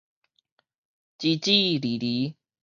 支支厘厘